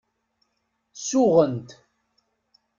Suɣent.